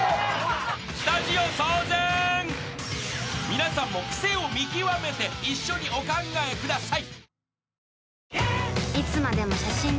［皆さんもクセを見極めて一緒にお考えください］